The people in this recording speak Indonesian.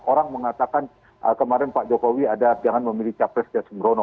orang mengatakan kemarin pak jokowi ada jangan memiliki capres di asumrono